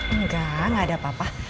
enggak gak ada papa